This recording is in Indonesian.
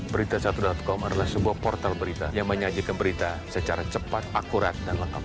berita satu com adalah sebuah portal berita yang menyajikan berita secara cepat akurat dan lengkap